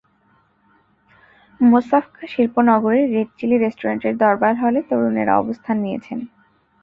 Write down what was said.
মোসাফকা শিল্প নগরের red chilli রেস্টুরেন্টের দরবার হলে তরুণেরা অবস্থান নিয়েছেন।